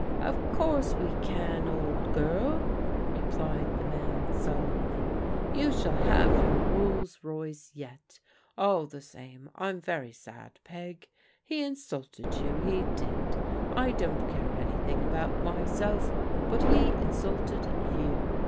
" Of course we can, old girl/' replied the man sol emnly. " You shall have your Rolls Royce yet. All the same, I'm very sad. Peg. He insulted you, he did. I don't care anything about myself, but he insulted you.